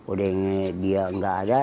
udah dia nggak ada